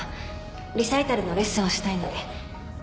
リサイタルのレッスンをしたいので。